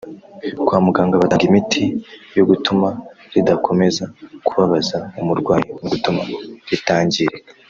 kwa muganga batanga imiti yo gutuma ridakomeza kubabaza umurwayi no gutuma ritangirika